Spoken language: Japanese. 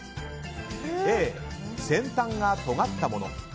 Ａ、先端がとがったもの。